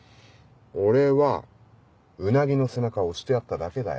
俺はうなぎの背中を押してやっただけだよ。